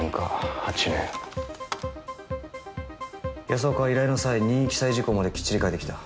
安岡は依頼の際任意記載事項まできっちり書いてきた。